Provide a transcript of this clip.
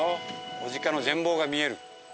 小値賀の全貌が見える。